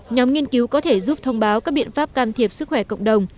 nhóm nghiên cứu có thể giúp thông báo các biện pháp can thiệp sức khỏe cộng đồng